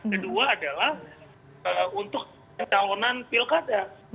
kedua adalah untuk pencalonan pilkada